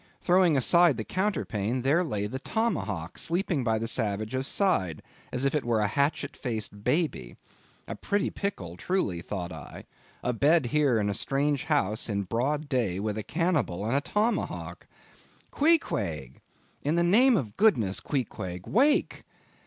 Throwing aside the counterpane, there lay the tomahawk sleeping by the savage's side, as if it were a hatchet faced baby. A pretty pickle, truly, thought I; abed here in a strange house in the broad day, with a cannibal and a tomahawk! "Queequeg!—in the name of goodness, Queequeg, wake!"